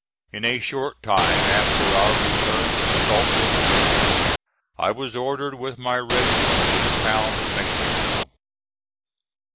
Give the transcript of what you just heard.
In a short time after our return to Salt River bridge I was ordered with my regiment to the town of Mexico.